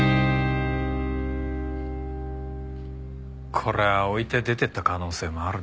こりゃ置いて出ていった可能性もあるな。